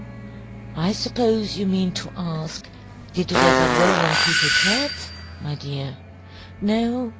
"I suppose you mean to ask, 'Did it ever grow on people's heads?' my dear. No.